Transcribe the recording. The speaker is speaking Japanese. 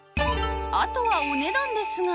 あとはお値段ですが